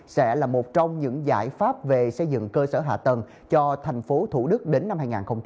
sẽ là một trong những giải pháp về xây dựng cơ sở hạ tầng cho thành phố thủ đức đến năm hai nghìn ba mươi